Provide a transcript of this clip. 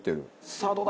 さあどうだ？